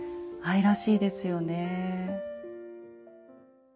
愛らしいですよね。